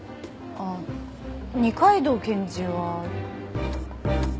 ああ二階堂検事は。